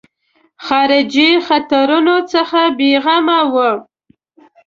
خارجي خطرونو څخه بېغمه وو.